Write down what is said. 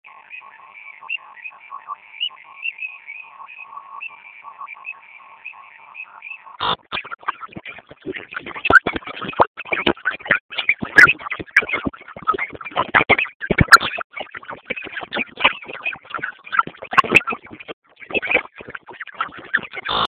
رستم د جنګ په میدان کې فال ګوري.